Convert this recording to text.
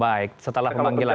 baik setelah pemanggilan